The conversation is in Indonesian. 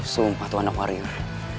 sumpah tuan anak warrior